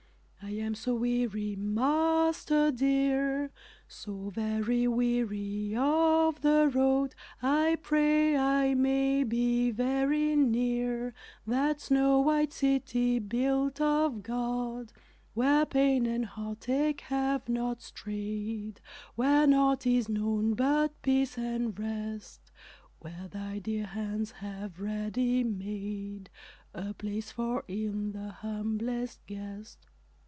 I am so weary, Master dear, So very weary of the road, I pray I may be very near That snow white City built of God, Where pain and heart ache have not strayed, Where nought is known but peace and rest, Where thy dear hands have ready made A place for e'en the humblest guest.